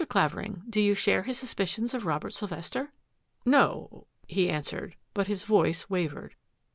Clavering, do you share his suspicions of Robert Sylvester? "" No," he answered, but his voice wavered.